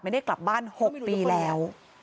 ไม่ได้กลับบ้าน๖ปีแล้ว